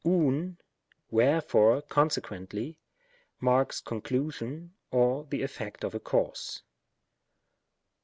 ovvy wherefore^ consequently^ marks conclusion, or the eflfect of a cause.